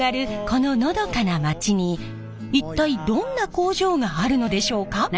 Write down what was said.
こののどかな町に一体どんな工場があるのでしょうか？